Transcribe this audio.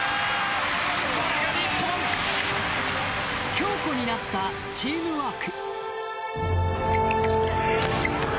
強固になったチームワーク。